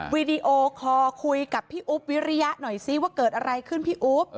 วีดีโอคอร์คุยกับพี่อุ๊บวิริยะหน่อยซิว่าเกิดอะไรขึ้นพี่อุ๊บ